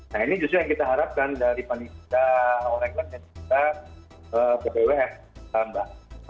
nah ini justru yang kita harapkan dari anitia oleglan dan juga bwf tambah